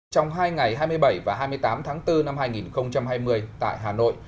trong hai ngày hai mươi bảy và hai mươi tám tháng bốn năm hai nghìn hai mươi tại hà nội